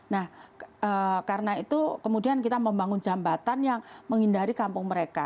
nah karena itu kemudian kita membangun jembatan yang menghindari kampung mereka